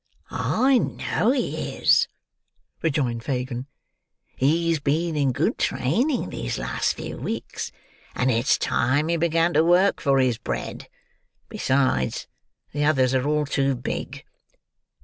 "I know he is," rejoined Fagin. "He's been in good training these last few weeks, and it's time he began to work for his bread. Besides, the others are all too big."